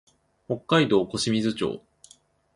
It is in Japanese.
北海道小清水町